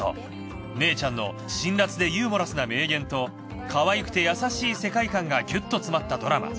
姉ちゃんの辛辣でユーモラスな名言とかわいくて優しい世界観がギュッと詰まったドラマ。